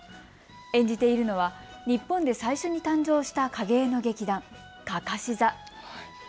演じているのは日本で最初に誕生した影絵の劇団、かかし座。